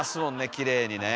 きれいにね。